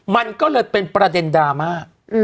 มันก็เลยเป็นประเด็นดราม่า